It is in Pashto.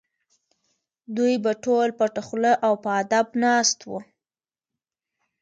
دوی به ټول پټه خوله او په ادب ناست وو.